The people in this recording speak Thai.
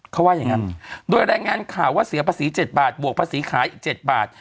เขาว่าอย่างนั้นโดยรายงานข่าวว่าเสียภาษี๗บาทบวกภาษีขายอีก๗บาท